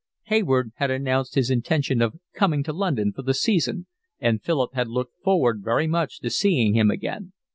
Hayward had announced his intention of coming to London for the season, and Philip had looked forward very much to seeing him again.